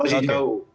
pasti di tahu